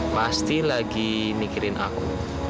pasti lagi mikirin aku